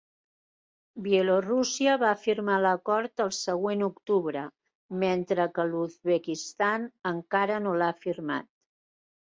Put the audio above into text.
Bielorússia va firmar l'acord el següent octubre, mentre que l'Uzbekistan encara no l'ha firmat.